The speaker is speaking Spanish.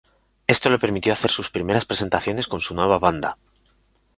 Esto le permitió hacer sus primeras presentaciones con su nueva banda.